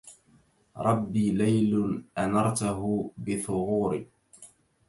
رب ليل أنرته بثغور